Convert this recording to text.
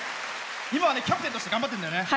今、キャプテンとして頑張ってるんだよね？